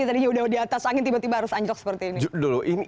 tadinya udah di atas angin tiba tiba harus anjlok seperti ini dulu